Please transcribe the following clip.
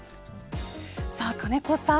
金子さん